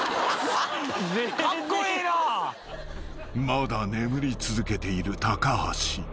［また眠り続けている橋］